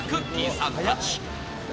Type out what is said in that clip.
さんたち。